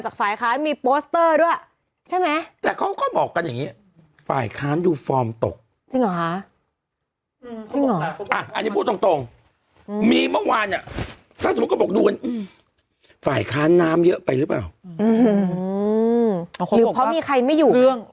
หรือเพราะมีใครไม่อยู่